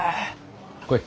来い。